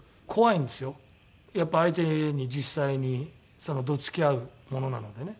やっぱ相手に実際にど突き合うものなのでね。